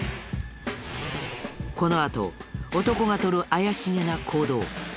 このあと男がとる怪しげな行動。